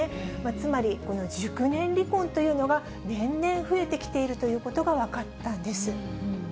つまり、この熟年離婚というのが年々増えてきているということが分かったんです。